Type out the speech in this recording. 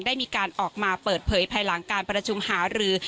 ได้มีการออกมาเปิดเผยภายหลังการประชุมหารือ